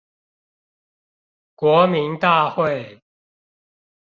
國民大會